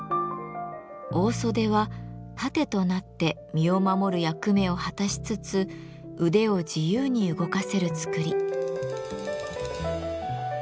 大袖は盾となって身を守る役目を果たしつつ腕を自由に動かせる作り。